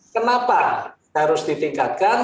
kenapa harus ditingkatkan